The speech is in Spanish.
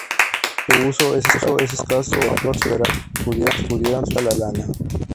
Su uso es escaso aunque se esperaba que pudieran sustituir a la lana.